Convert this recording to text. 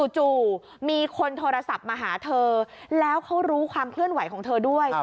จู่มีคนโทรศัพท์มาหาเธอแล้วเขารู้ความเคลื่อนไหวของเธอด้วย